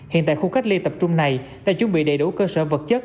hiện tại khu cách ly tập trung này đã chuẩn bị đầy đủ cơ sở vật chất